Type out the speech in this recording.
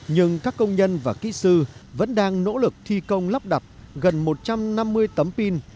nhưng các công nhân và kỹ sư vẫn đang nỗ lực thi công lắp đặt gần một trăm năm mươi tấm pin